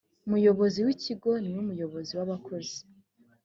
umuyobozi w’ikigo ni we muyobozi w’abakozi